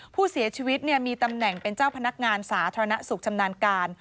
ผู้เสียชีวิตมีตำแหน่งเป็นเจ้าพนักงานสาธารณสุขชำนาญการ